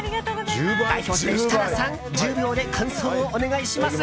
代表して設楽さん１０秒で感想をお願いします。